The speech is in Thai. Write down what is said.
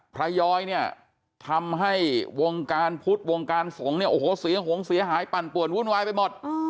ย้อยเนี่ยทำให้วงการพุทธวงการสงฆ์เนี่ยโอ้โหเสียหงเสียหายปั่นป่วนวุ่นวายไปหมด